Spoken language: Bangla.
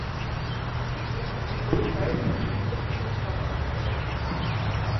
তিনি এমএ পরীক্ষায় ইংরেজিতে প্রথম স্থান অর্জন করেন।